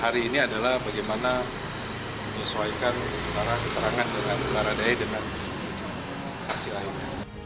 hari ini adalah bagaimana menyesuaikan antara keterangan dengan baradae dengan saksi lainnya